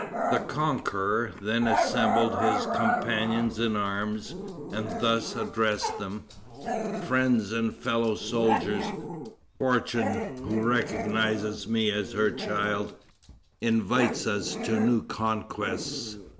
The conqueror then assembled his companions in arms, and thus addressed them: "Friends and fellow soldiers; fortune, who recognizes me as her child, invites us to new conquests.